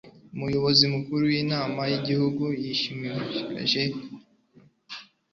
umuyobozi mukuru w'inama yigihugu yumushyikirano